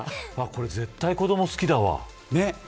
これ絶対、子ども好きだわ。